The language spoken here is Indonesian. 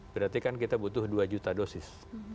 berarti kan kita butuh dua juta dosis